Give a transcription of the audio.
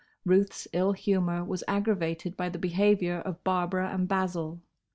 Ruth's ill humour was aggravated by the behaviour of Barbara and Basil.